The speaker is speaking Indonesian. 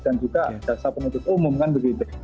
dan juga dasar penutup umum kan begitu